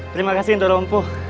terima kasih indra lompuh